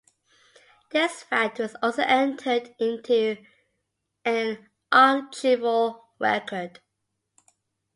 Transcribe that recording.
This fact was also entered into an archival record.